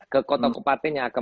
ke kota kepaten yang akan